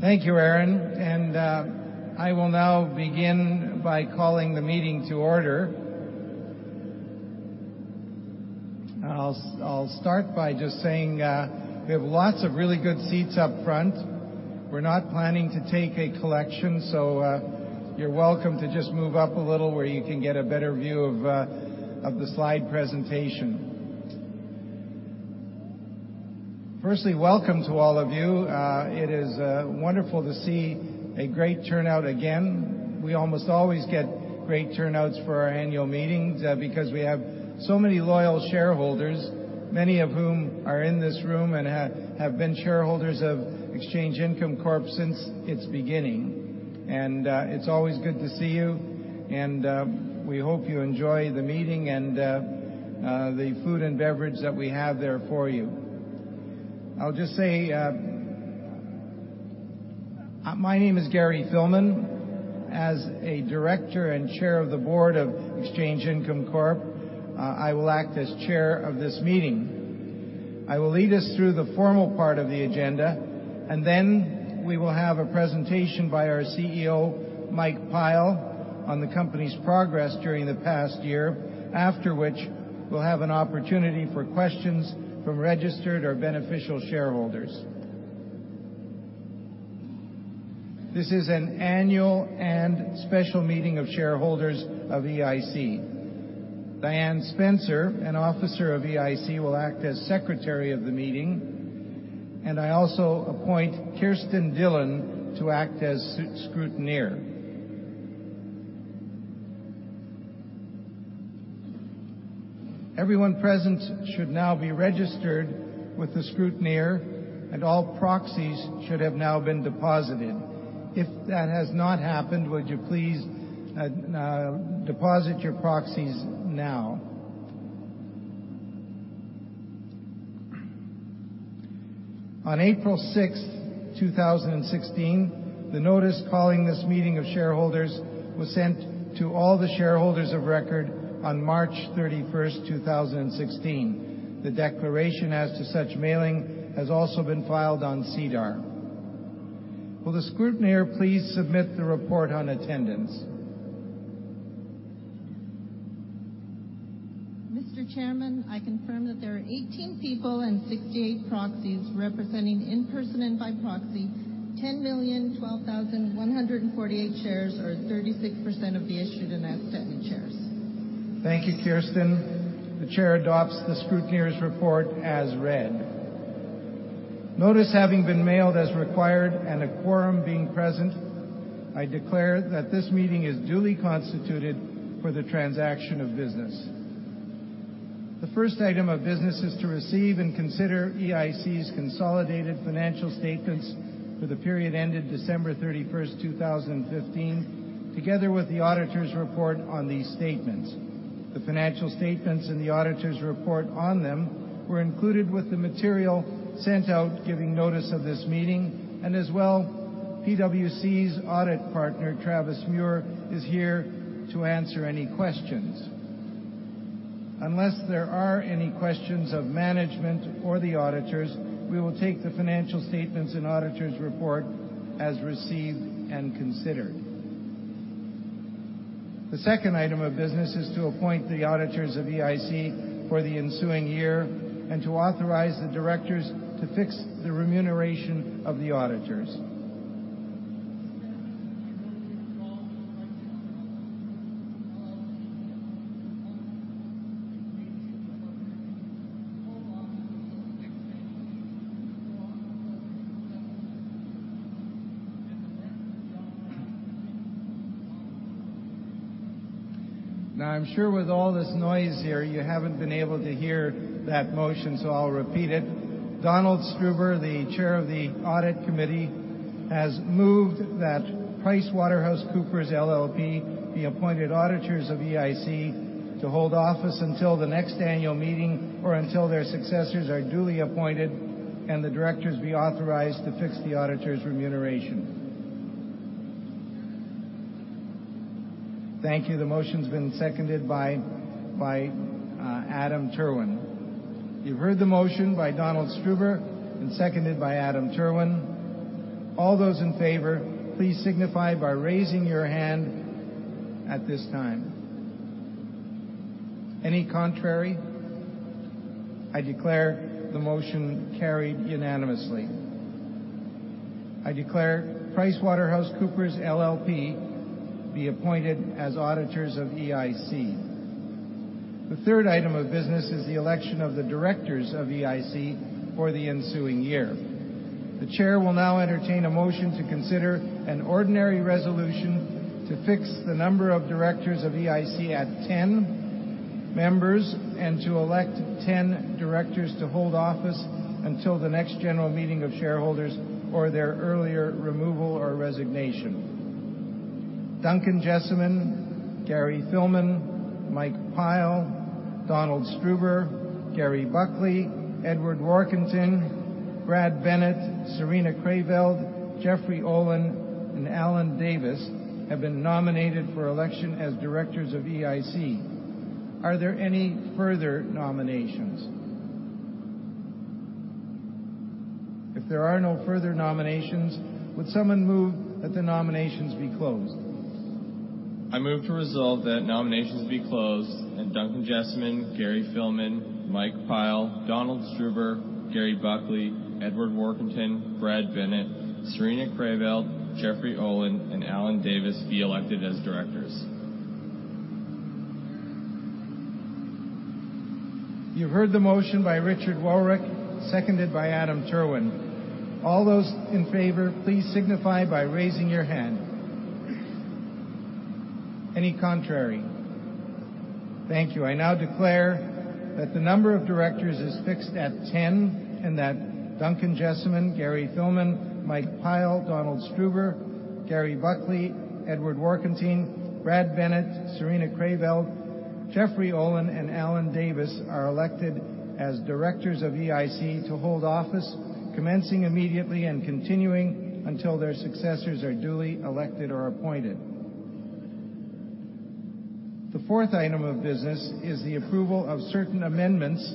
Thank you, Aaron. I will now begin by calling the meeting to order. I'll start by just saying we have lots of really good seats up front. We're not planning to take a collection, you're welcome to just move up a little where you can get a better view of the slide presentation. Firstly, welcome to all of you. It is wonderful to see a great turnout again. We almost always get great turnouts for our annual meetings because we have so many loyal shareholders, many of whom are in this room and have been shareholders of Exchange Income Corporation since its beginning. It's always good to see you, and we hope you enjoy the meeting and the food and beverage that we have there for you. I'll just say, my name is Gary Filmon. As a Director and Chair of the board of Exchange Income Corporation, I will act as Chair of this meeting. I will lead us through the formal part of the agenda, then we will have a presentation by our CEO, Mike Pyle, on the company's progress during the past year, after which we'll have an opportunity for questions from registered or beneficial shareholders. This is an annual and special meeting of shareholders of EIC. Dianne Spencer, an officer of EIC, will act as Secretary of the meeting, I also appoint Kirsten Dillon to act as scrutineer. Everyone present should now be registered with the scrutineer, all proxies should have now been deposited. If that has not happened, would you please deposit your proxies now. On April 6th, 2016, the notice calling this meeting of shareholders was sent to all the shareholders of record on March 31st, 2016. The declaration as to such mailing has also been filed on SEDAR. Will the scrutineer please submit the report on attendance? Mr. Chairman, I confirm that there are 18 people and 68 proxies representing in person and by proxy 10,012,148 shares, or 36% of the issued and outstanding shares. Thank you, Kirsten. The chair adopts the scrutineer's report as read. Notice having been mailed as required and a quorum being present, I declare that this meeting is duly constituted for the transaction of business. The first item of business is to receive and consider EIC's consolidated financial statements for the period ended December 31st, 2015, together with the auditor's report on these statements. The financial statements and the auditor's report on them were included with the material sent out giving notice of this meeting, and as well, PwC's audit partner, Travis Muhr, is here to answer any questions. Unless there are any questions of management or the auditors, we will take the financial statements and auditor's report as received and considered. The second item of business is to appoint the auditors of EIC for the ensuing year and to authorize the directors to fix the remuneration of the auditors. Now I'm sure with all this noise here, you haven't been able to hear that motion, so I'll repeat it. Donald Streuber, the chair of the audit committee, has moved that PricewaterhouseCoopers LLP be appointed auditors of EIC to hold office until the next annual meeting or until their successors are duly appointed and the directors be authorized to fix the auditor's remuneration. Thank you. The motion's been seconded by Adam Terwin. You've heard the motion by Donald Streuber and seconded by Adam Terwin. All those in favor, please signify by raising your hand at this time. Any contrary? I declare the motion carried unanimously. I declare PricewaterhouseCoopers LLP be appointed as auditors of EIC. The third item of business is the election of the directors of EIC for the ensuing year. The chair will now entertain a motion to consider an ordinary resolution to fix the number of directors of EIC at 10 members and to elect 10 directors to hold office until the next general meeting of shareholders or their earlier removal or resignation. Duncan Jessiman, Gary Filmon, Mike Pyle, Donald Streuber, Gary Buckley, Edward Warkentin, Brad Bennett, Carmele Peter, Jeffrey Olin, and Allan Davis have been nominated for election as directors of EIC. Are there any further nominations? If there are no further nominations, would someone move that the nominations be closed? I move to resolve that nominations be closed and Duncan Jessiman, Gary Filmon, Mike Pyle, Donald Streuber, Gary Buckley, Edward Warkentin, Brad Bennett, Serena Kraayeveld, Jeffrey Olin, and Allan Davis be elected as directors. You've heard the motion by Richard Wowryk, seconded by Adam Terwin. All those in favor, please signify by raising your hand. Any contrary? Thank you. I now declare that the number of directors is fixed at 10, and that Duncan Jessiman, Gary Filmon, Mike Pyle, Donald Streuber, Gary Buckley, Edward Warkentin, Brad Bennett, Serena Kraayeveld, Jeffrey Olin, and Allan Davis are elected as directors of EIC to hold office commencing immediately and continuing until their successors are duly elected or appointed. The fourth item of business is the approval of certain amendments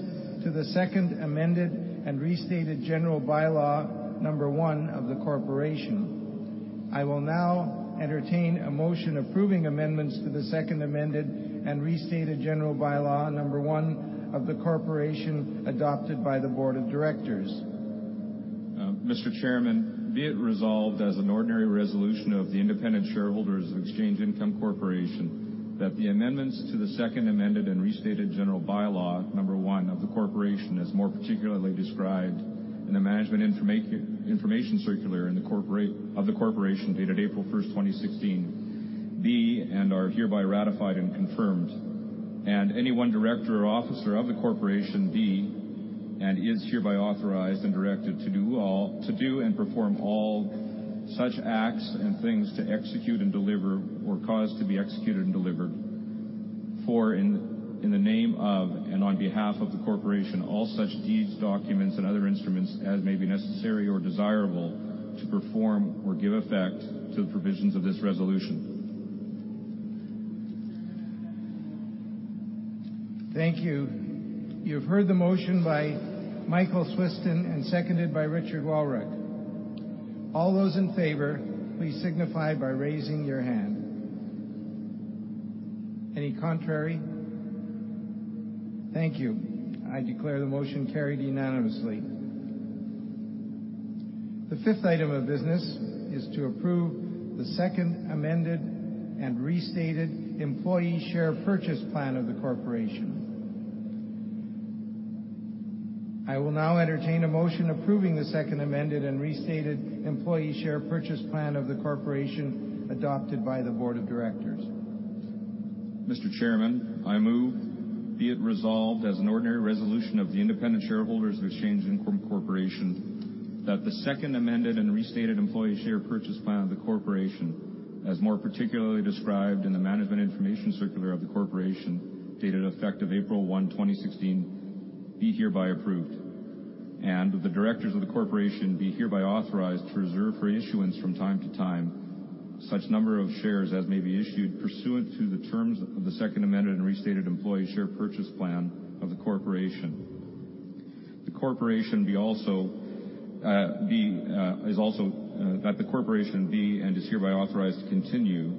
to the second amended and restated general bylaw number one of the corporation. I will now entertain a motion approving amendments to the second amended and restated general bylaw number one of the corporation adopted by the board of directors. Mr. Chairman, be it resolved as an ordinary resolution of the independent shareholders of Exchange Income Corporation, that the amendments to the second amended and restated general bylaw number one of the corporation, as more particularly described in a management information circular of the corporation dated April 1st, 2016, be and are hereby ratified and confirmed. Any one director or officer of the corporation be, and is hereby authorized and directed to do and perform all such acts and things to execute and deliver or cause to be executed and delivered, for in the name of and on behalf of the corporation, all such deeds, documents, and other instruments as may be necessary or desirable to perform or give effect to the provisions of this resolution. Thank you. You've heard the motion by Michael Swistun and seconded by Richard Wowryk. All those in favor, please signify by raising your hand. Any contrary? Thank you. I declare the motion carried unanimously. The fifth item of business is to approve the second amended and restated employee share purchase plan of the corporation. I will now entertain a motion approving the second amended and restated employee share purchase plan of the corporation adopted by the board of directors. Mr. Chairman, I move, be it resolved as an ordinary resolution of the independent shareholders of Exchange Income Corporation, that the second amended and restated employee share purchase plan of the corporation, as more particularly described in the management information circular of the corporation, dated effective April 1, 2016, be hereby approved, and that the directors of the corporation be hereby authorized to reserve for issuance from time to time such number of shares as may be issued pursuant to the terms of the second amended and restated employee share purchase plan of the corporation. That the corporation be and is hereby authorized to continue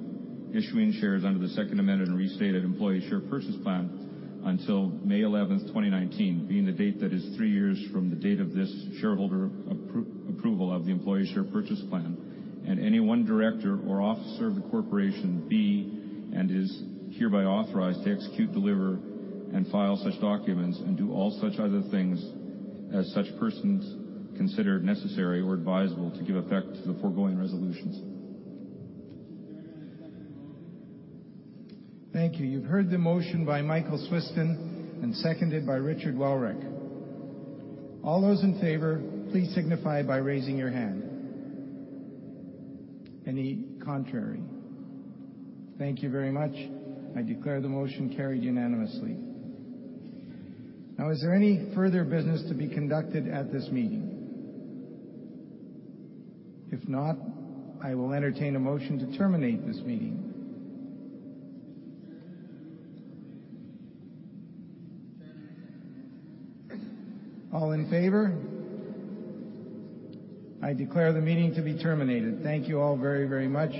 issuing shares under the second amended and restated employee share purchase plan until May 11th, 2019, being the date that is three years from the date of this shareholder approval of the employee share purchase plan. Any one director or officer of the corporation be and is hereby authorized to execute, deliver, and file such documents and do all such other things as such persons consider necessary or advisable to give effect to the foregoing resolutions. Thank you. You've heard the motion by Michael Swistun and seconded by Richard Wowryk. All those in favor, please signify by raising your hand. Any contrary? Thank you very much. I declare the motion carried unanimously. Is there any further business to be conducted at this meeting? If not, I will entertain a motion to terminate this meeting. Mr. Chairman, I move to terminate the meeting. Mr. Chairman, I second the motion. All in favor? I declare the meeting to be terminated. Thank you all very much.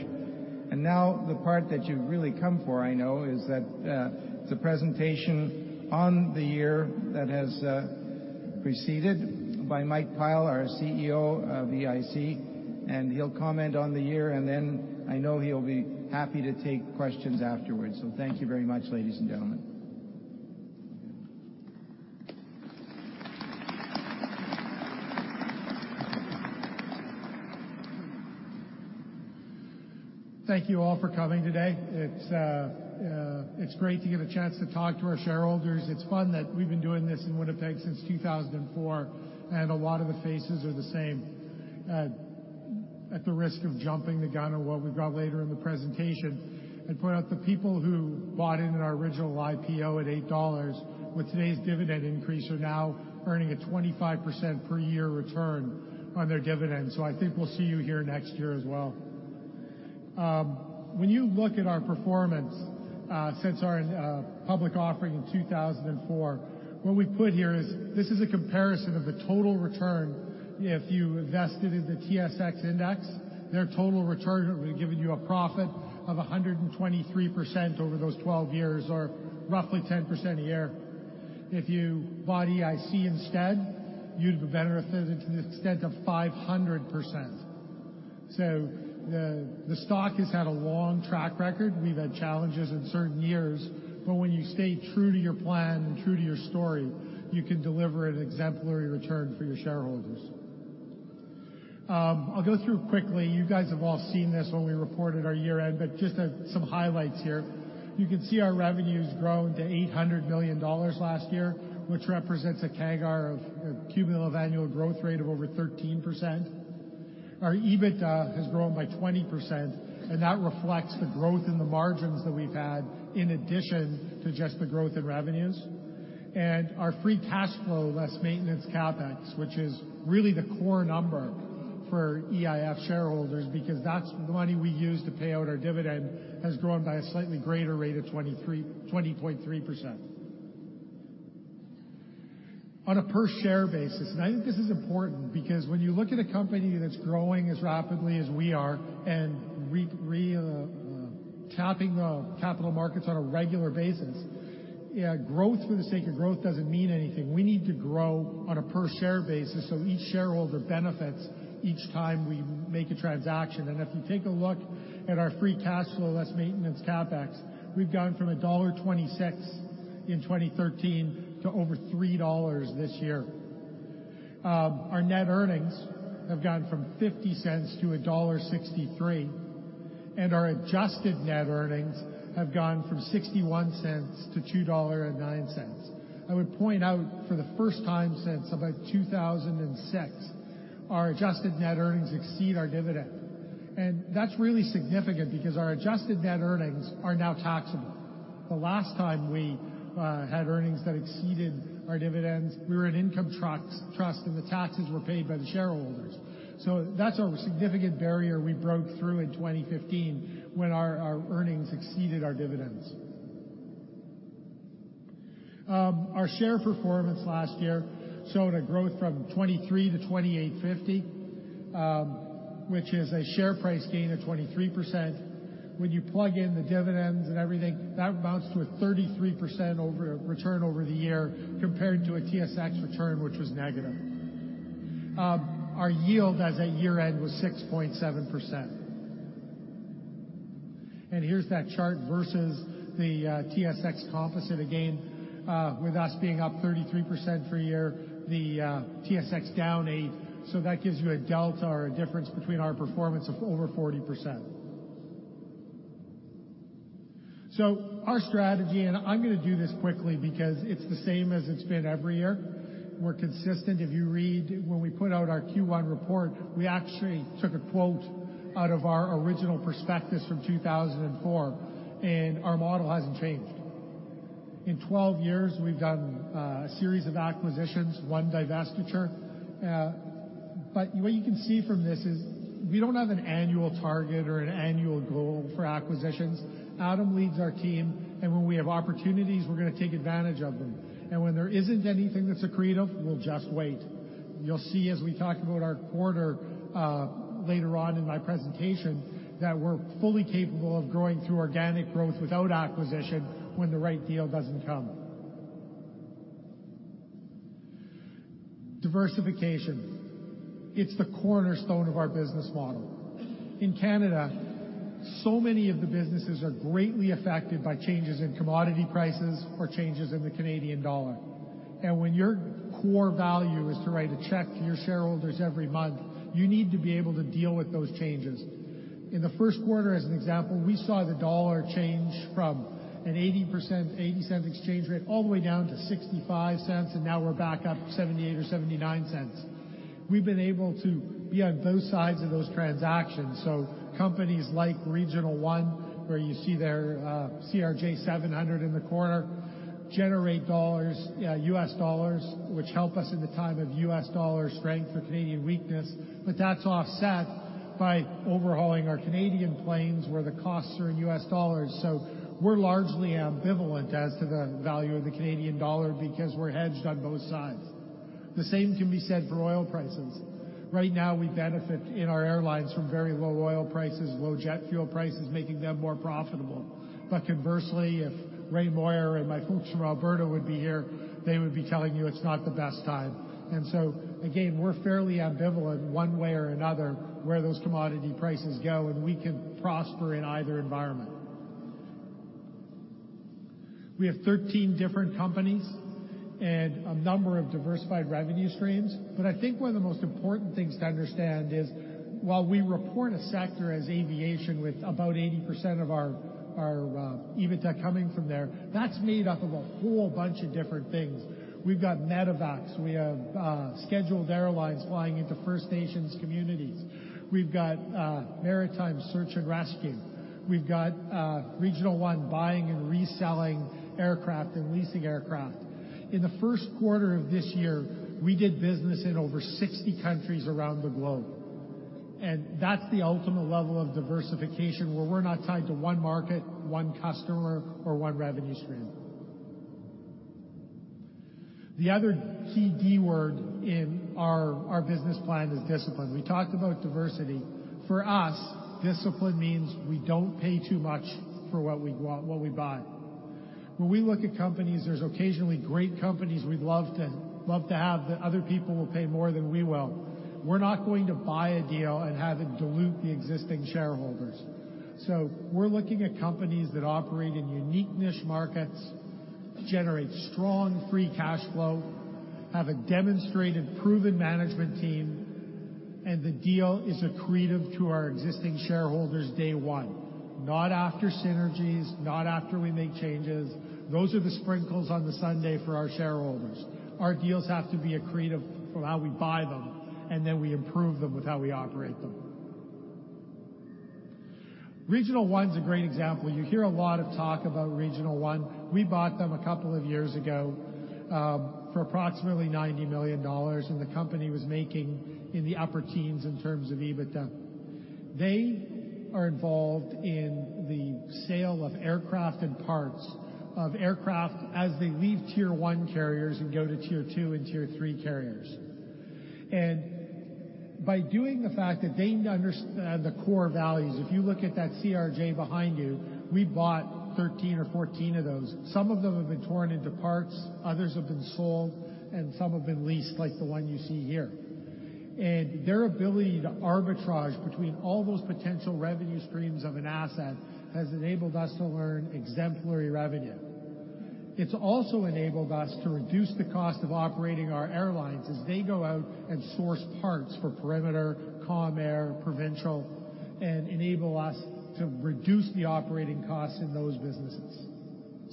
Now, the part that you've really come for, I know, is the presentation on the year that has preceded by Mike Pyle, our CEO of EIC, and he'll comment on the year, then I know he'll be happy to take questions afterwards. Thank you very much, ladies and gentlemen. Thank you all for coming today. It's great to get a chance to talk to our shareholders. It's fun that we've been doing this in Winnipeg since 2004, and a lot of the faces are the same. At the risk of jumping the gun on what we've got later in the presentation, I point out the people who bought into our original IPO at 8 dollars, with today's dividend increase, are now earning a 25% per year return on their dividends. I think we'll see you here next year as well. When you look at our performance since our public offering in 2004, what we put here is a comparison of the total return if you invested in the TSX index. Their total return would have given you a profit of 123% over those 12 years, or roughly 10% a year. If you bought EIC instead, you'd have benefited to the extent of 500%. The stock has had a long track record. We've had challenges in certain years, but when you stay true to your plan and true to your story, you can deliver an exemplary return for your shareholders. I'll go through quickly. You guys have all seen this when we reported our year-end, but just some highlights here. You can see our revenue's grown to 800 million dollars last year, which represents a CAGR, a cumulative annual growth rate, of over 13%. Our EBITDA has grown by 20%, and that reflects the growth in the margins that we've had in addition to just the growth in revenues. Our free cash flow, less maintenance CapEx, which is really the core number for EIC shareholders because that's the money we use to pay out our dividend, has grown by a slightly greater rate of 20.3%. On a per share basis, I think this is important because when you look at a company that's growing as rapidly as we are and tapping the capital markets on a regular basis, growth for the sake of growth doesn't mean anything. We need to grow on a per share basis so each shareholder benefits each time we make a transaction. If you take a look at our free cash flow, less maintenance CapEx, we've gone from dollar 1.26 in 2013 to over 3 dollars this year. Our net earnings have gone from 0.50 to dollar 1.63, and our adjusted net earnings have gone from 0.61 to 2.09 dollar. I would point out, for the first time since about 2006, our adjusted net earnings exceed our dividend. That's really significant because our adjusted net earnings are now taxable. The last time we had earnings that exceeded our dividends, we were an income trust, and the taxes were paid by the shareholders. That's a significant barrier we broke through in 2015 when our earnings exceeded our dividends. Our share performance last year showed a growth from 23 to 28.50, which is a share price gain of 23%. When you plug in the dividends and everything, that amounts to a 33% return over the year compared to a TSX return, which was negative. Our yield as at year-end was 6.7%. Here's that chart versus the TSX Composite again, with us being up 33% for a year, the TSX down eight. That gives you a delta or a difference between our performance of over 40%. Our strategy, I'm going to do this quickly because it's the same as it's been every year. We're consistent. If you read when we put out our Q1 report, we actually took a quote out of our original prospectus from 2004, Our model hasn't changed. In 12 years, we've done a series of acquisitions, one divestiture. What you can see from this is we don't have an annual target or an annual goal for acquisitions. Adam leads our team. When we have opportunities, we're going to take advantage of them. When there isn't anything that's accretive, we'll just wait. You'll see as we talk about our quarter later on in my presentation that we're fully capable of growing through organic growth without acquisition when the right deal doesn't come. Diversification. It's the cornerstone of our business model. In Canada, so many of the businesses are greatly affected by changes in commodity prices or changes in the Canadian dollar. When your core value is to write a check to your shareholders every month, you need to be able to deal with those changes. In the first quarter, as an example, we saw the dollar change from a 0.80 exchange rate all the way down to 0.65, and now we're back up to 0.78 or 0.79. We've been able to be on both sides of those transactions. So companies like Regional One, where you see their CRJ700 in the corner, generate U.S. Dollars, which help us in the time of U.S. dollar strength or Canadian weakness. That's offset by overhauling our Canadian planes, where the costs are in U.S. dollars. We're largely ambivalent as to the value of the Canadian dollar because we're hedged on both sides. The same can be said for oil prices. Right now, we benefit in our airlines from very low oil prices, low jet fuel prices, making them more profitable. But conversely, if Ray Moyer and my folks from Alberta would be here, they would be telling you it's not the best time. Again, we're fairly ambivalent one way or another where those commodity prices go, and we can prosper in either environment. We have 13 different companies and a number of diversified revenue streams. I think one of the most important things to understand is while we report a sector as aviation with about 80% of our EBITDA coming from there, that's made up of a whole bunch of different things. We've got medevacs. We have scheduled airlines flying into First Nations communities. We've got maritime search and rescue. We've got Regional One buying and reselling aircraft and leasing aircraft. In the first quarter of this year, we did business in over 60 countries around the globe, that's the ultimate level of diversification where we're not tied to one market, one customer, or one revenue stream. The other key D word in our business plan is discipline. We talked about diversity. For us, discipline means we don't pay too much for what we buy. When we look at companies, there's occasionally great companies we'd love to have that other people will pay more than we will. We're not going to buy a deal and have it dilute the existing shareholders. We're looking at companies that operate in unique niche markets, generate strong free cash flow, have a demonstrated proven management team, and the deal is accretive to our existing shareholders day one, not after synergies, not after we make changes. Those are the sprinkles on the sundae for our shareholders. Our deals have to be accretive from how we buy them, and then we improve them with how we operate them. Regional One's a great example. You hear a lot of talk about Regional One. We bought them a couple of years ago for approximately 90 million dollars, and the company was making in the upper teens in terms of EBITDA. They are involved in the sale of aircraft and parts of aircraft as they leave Tier 1 carriers and go to Tier 2 and Tier 3 carriers. By doing the fact that they understand the core values, if you look at that CRJ behind you, we bought 13 or 14 of those. Some of them have been torn into parts, others have been sold, and some have been leased like the one you see here. Their ability to arbitrage between all those potential revenue streams of an asset has enabled us to learn exemplary revenue. It's also enabled us to reduce the cost of operating our airlines as they go out and source parts for Perimeter, Calm Air, Provincial, and enable us to reduce the operating costs in those businesses.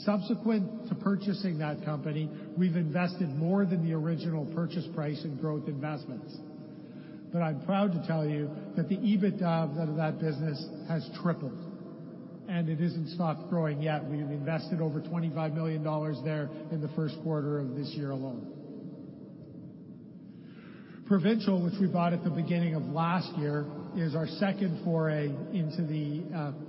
Subsequent to purchasing that company, we've invested more than the original purchase price in growth investments. I'm proud to tell you that the EBITDA of that business has tripled, and it isn't stopped growing yet. We have invested over 25 million dollars there in the first quarter of this year alone. Provincial, which we bought at the beginning of last year, is our second foray into the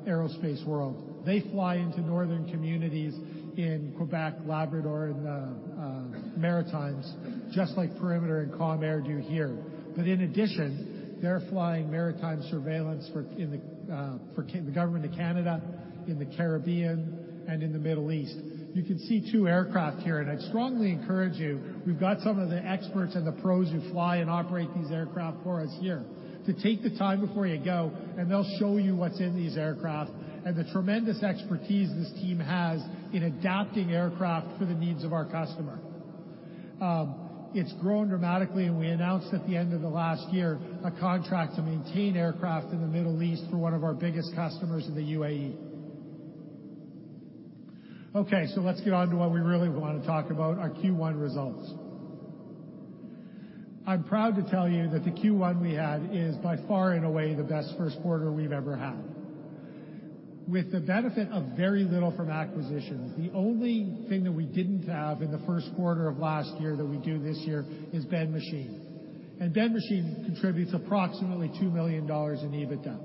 aerospace world. They fly into northern communities in Quebec, Labrador, and the Maritimes, just like Perimeter and Calm Air do here. In addition, they're flying maritime surveillance for the Government of Canada, in the Caribbean, and in the Middle East. You can see two aircraft here. I'd strongly encourage you, we've got some of the experts and the pros who fly and operate these aircraft for us here, to take the time before you go and they'll show you what's in these aircraft and the tremendous expertise this team has in adapting aircraft for the needs of our customer. It's grown dramatically. We announced at the end of the last year a contract to maintain aircraft in the Middle East for one of our biggest customers in the UAE. Let's get on to what we really want to talk about, our Q1 results. I'm proud to tell you that the Q1 we had is by far and away the best first quarter we've ever had. With the benefit of very little from acquisition, the only thing that we didn't have in the first quarter of last year that we do this year is Ben Machine. Ben Machine contributes approximately 2 million dollars in EBITDA.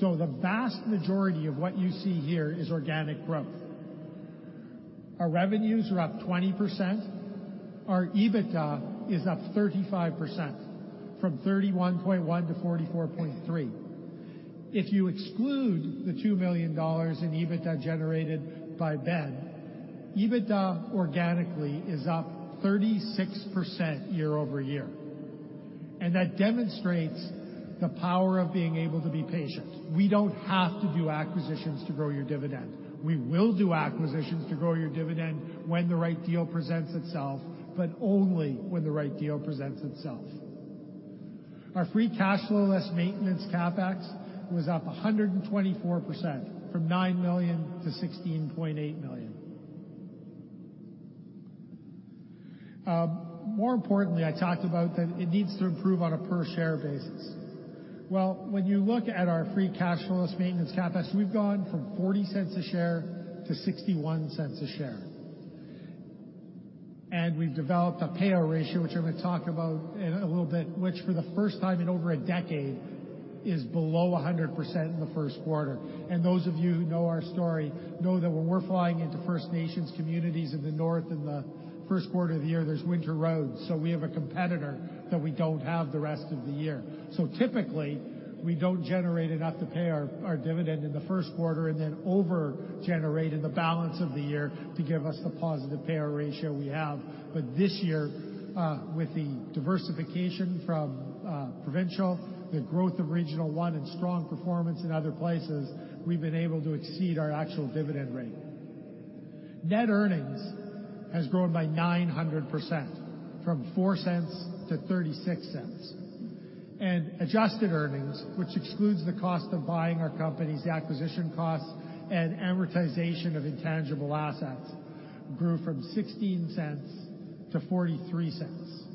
The vast majority of what you see here is organic growth. Our revenues are up 20%. Our EBITDA is up 35%, from 31.1 to 44.3. If you exclude the 2 million dollars in EBITDA generated by Ben, EBITDA organically is up 36% year-over-year. That demonstrates the power of being able to be patient. We don't have to do acquisitions to grow your dividend. We will do acquisitions to grow your dividend when the right deal presents itself, but only when the right deal presents itself. Our free cash flow less maintenance CapEx was up 124%, from 9 million to 16.8 million. More importantly, I talked about that it needs to improve on a per share basis. When you look at our free cash less maintenance CapEx, we've gone from 0.40 a share to 0.61 a share. We've developed a payout ratio, which I'm going to talk about in a little bit, which for the first time in over a decade is below 100% in the first quarter. Those of you who know our story know that when we're flying into First Nations communities in the north in the first quarter of the year, there's winter roads. We have a competitor that we don't have the rest of the year. Typically, we don't generate enough to pay our dividend in the first quarter and then over generate in the balance of the year to give us the positive payout ratio we have. This year, with the diversification from Provincial, the growth of Regional One, and strong performance in other places, we've been able to exceed our actual dividend rate. Net earnings has grown by 900%, from 0.04 to 0.36. Adjusted earnings, which excludes the cost of buying our company's acquisition costs and amortization of intangible assets, grew from 0.16 to 0.43.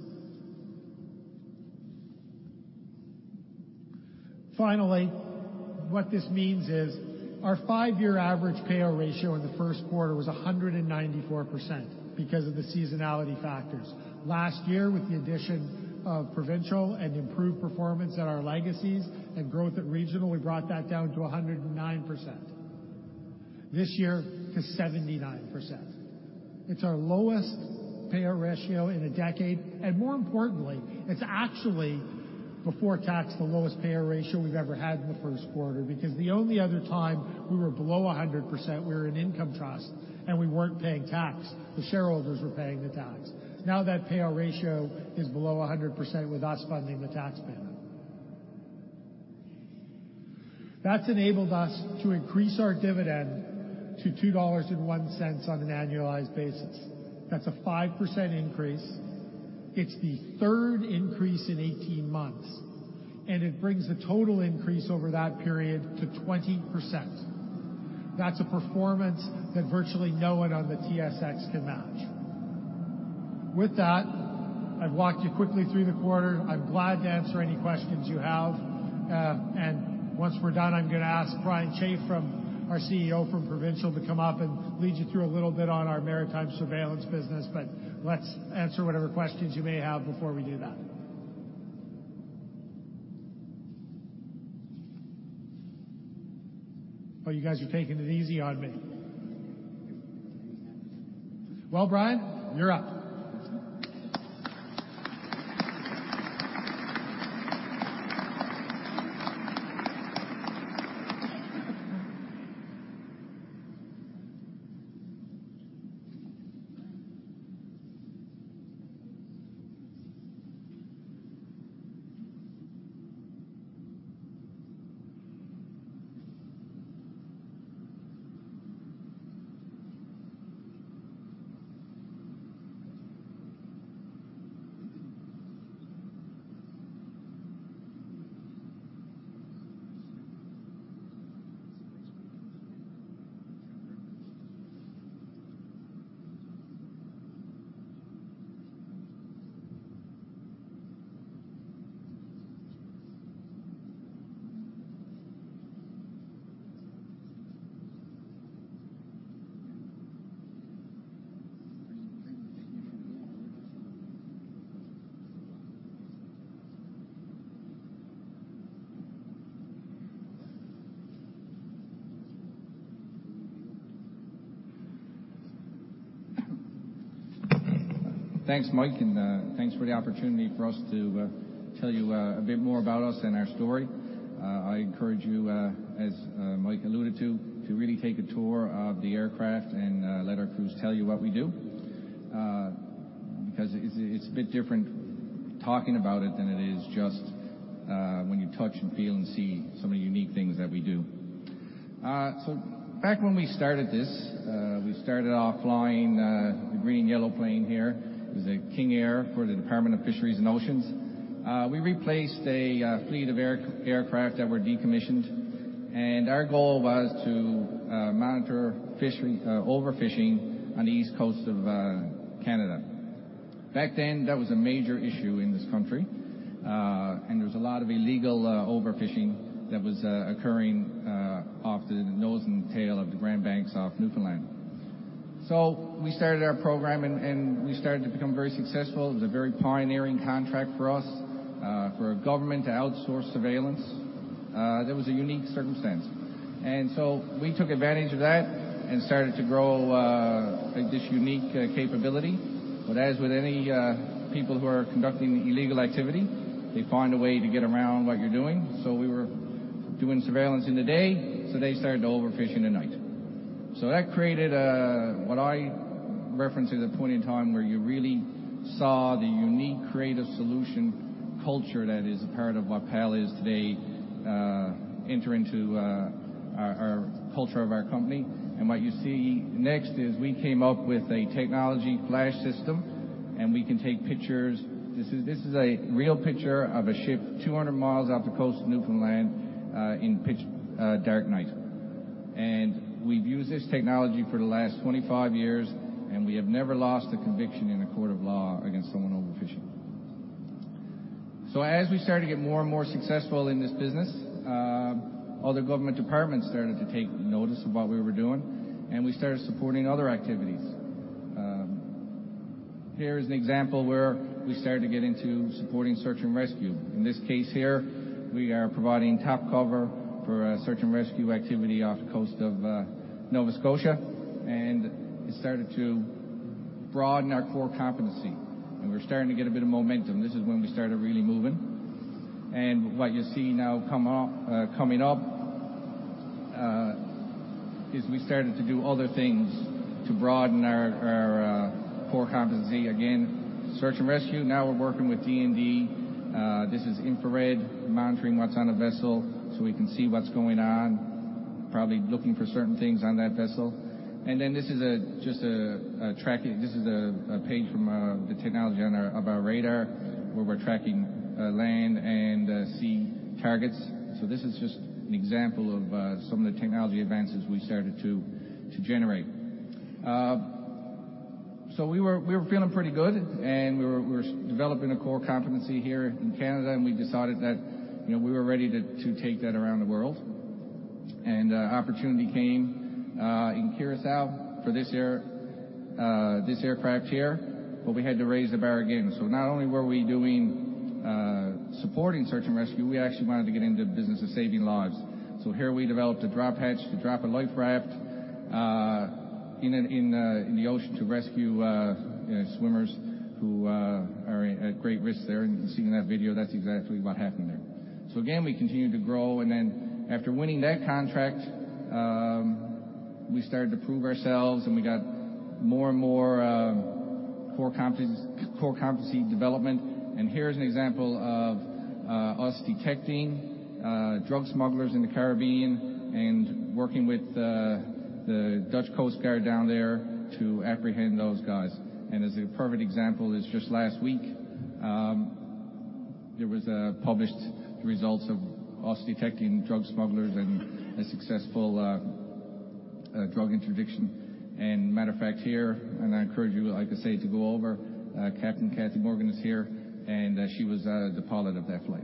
Finally, what this means is our five-year average payout ratio in the first quarter was 194% because of the seasonality factors. Last year, with the addition of Provincial and improved performance at our legacies and growth at Regional, we brought that down to 109%. This year to 79%. It's our lowest payout ratio in a decade. More importantly, it's actually before tax, the lowest payout ratio we've ever had in the first quarter, because the only other time we were below 100%, we were an income trust and we weren't paying tax. The shareholders were paying the tax. Now that payout ratio is below 100% with us funding the tax bill. That's enabled us to increase our dividend to 2.01 dollars on an annualized basis. That's a 5% increase. It's the third increase in 18 months, and it brings the total increase over that period to 20%. That's a performance that virtually no one on the TSX can match. With that, I've walked you quickly through the quarter. I'm glad to answer any questions you have. Once we're done, I'm going to ask Brian Chafe, our CEO from Provincial, to come up and lead you through a little bit on our maritime surveillance business. Let's answer whatever questions you may have before we do that. Oh, you guys are taking it easy on me. Well, Brian, you're up. Thanks, Mike. Thanks for the opportunity for us to tell you a bit more about us and our story. I encourage you, as Mike alluded to really take a tour of the aircraft and let our crews tell you what we do, because it's a bit different talking about it than it is just when you touch and feel and see some of the unique things that we do. Back when we started this, we started off flying the green and yellow plane here. It was a King Air for the Department of Fisheries and Oceans. We replaced a fleet of aircraft that were decommissioned, and our goal was to monitor overfishing on the east coast of Canada. Back then, that was a major issue in this country. There was a lot of illegal overfishing that was occurring off the nose and tail of the Grand Banks off Newfoundland. We started our program. We started to become very successful. It was a very pioneering contract for us, for a government to outsource surveillance. That was a unique circumstance. We took advantage of that and started to grow this unique capability. As with any people who are conducting illegal activity, they find a way to get around what you're doing. We were doing surveillance in the day, so they started to overfish in the night. That created what I reference as a point in time where you really saw the unique creative solution culture that is a part of what PAL is today enter into our culture of our company. What you see next is we came up with a technology flash system, and we can take pictures. This is a real picture of a ship 200 miles off the coast of Newfoundland in pitch dark night. We've used this technology for the last 25 years, and we have never lost a conviction in a court of law against someone overfishing. As we started to get more and more successful in this business, other government departments started to take notice of what we were doing, and we started supporting other activities. Here is an example where we started to get into supporting search and rescue. In this case here, we are providing top cover for a search and rescue activity off the coast of Nova Scotia, and it started to broaden our core competency, and we were starting to get a bit of momentum. This is when we started really moving. What you see now coming up is we started to do other things to broaden our core competency. Again, search and rescue. Now we're working with DND. This is infrared monitoring what's on a vessel so we can see what's going on, probably looking for certain things on that vessel. This is just a page from the technology of our radar, where we're tracking land and sea targets. This is just an example of some of the technology advances we started to generate. We were feeling pretty good, and we were developing a core competency here in Canada, and we decided that we were ready to take that around the world. Opportunity came in Curacao for this aircraft here, but we had to raise the bar again. Not only were we doing supporting search and rescue, we actually wanted to get into the business of saving lives. Here we developed a drop hatch to drop a life raft in the ocean to rescue swimmers who are at great risk there. You can see in that video, that's exactly what happened there. Again, we continued to grow, and then after winning that contract, we started to prove ourselves, and we got more and more core competency development. Here is an example of us detecting drug smugglers in the Caribbean and working with the Dutch Coast Guard down there to apprehend those guys. As a perfect example is just last week, there was published results of us detecting drug smugglers and a successful drug interdiction. Matter of fact, here, I encourage you, like I say, to go over, Captain Kathy Morgan is here, and she was the pilot of that flight.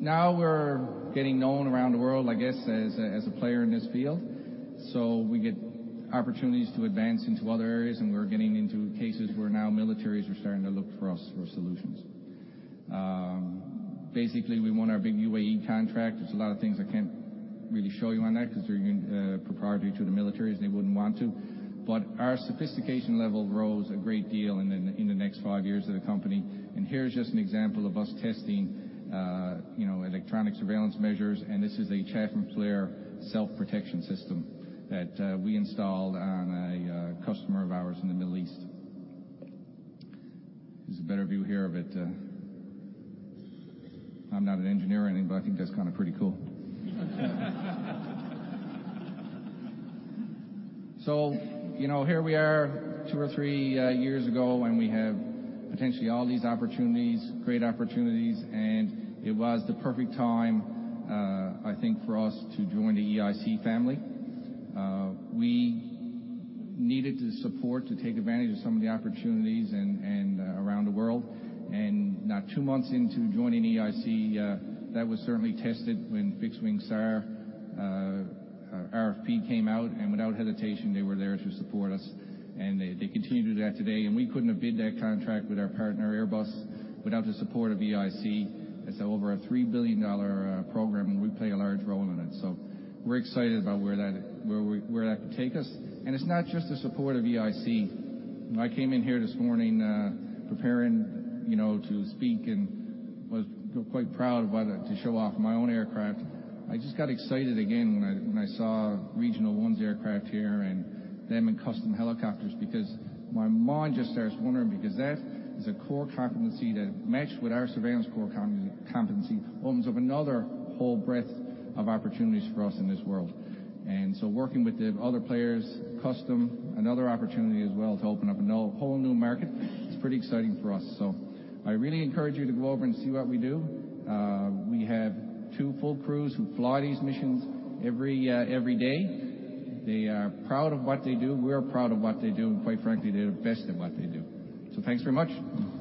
Now we're getting known around the world, I guess, as a player in this field. We get opportunities to advance into other areas, and we're getting into cases where now militaries are starting to look for us for solutions. Basically, we won our big UAE contract. There's a lot of things I can't really show you on that because they're proprietary to the militaries, and they wouldn't want to. Our sophistication level rose a great deal in the next five years of the company. Here's just an example of us testing electronic surveillance measures, and this is a chaff and flare self-protection system that we installed on a customer of ours in the Middle East. There's a better view here of it. I'm not an engineer or anything, but I think that's kind of pretty cool. Here we are two or three years ago, we have potentially all these opportunities, great opportunities, it was the perfect time, I think, for us to join the EIC family. We needed the support to take advantage of some of the opportunities around the world. Not two months into joining EIC, that was certainly tested when Fixed Wing SAR RFP came out, without hesitation, they were there to support us, they continue to do that today. We couldn't have bid that contract with our partner, Airbus, without the support of EIC. It's over a 3 billion dollar program, we play a large role in it. We're excited about where that could take us. It's not just the support of EIC. I came in here this morning preparing to speak and was quite proud about it, to show off my own aircraft. I just got excited again when I saw Regional One's aircraft here and them and Custom Helicopters because my mind just starts wondering because that is a core competency that, matched with our surveillance core competency, opens up another whole breadth of opportunities for us in this world. Working with the other players, Custom, another opportunity as well to open up a whole new market, it's pretty exciting for us. I really encourage you to go over and see what we do. We have two full crews who fly these missions every day. They are proud of what they do. We are proud of what they do, quite frankly, they're the best at what they do. Thanks very much.